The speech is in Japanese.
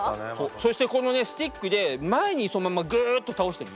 そしてこのねスティックで前にそのままグッと倒してみ。